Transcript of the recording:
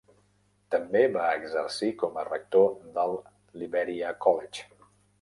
També va exercir com a rector del Liberia College.